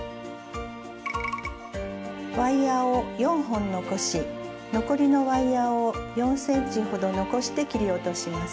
ワイヤーを４本残し残りのワイヤーを４ｃｍほど残して切り落とします。